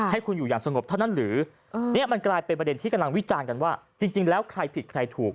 ให้คุณอยู่อย่างสงบเท่านั้นหรือเนี่ยมันกลายเป็นประเด็นที่กำลังวิจารณ์กันว่าจริงแล้วใครผิดใครถูก